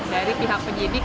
dari pihak penyidik